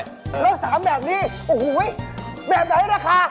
แล้ว๓แบบนี้โอ้โหแบบไหนราคา